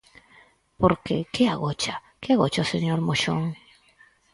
Porque ¿que agocha, que agocha o señor Moxón?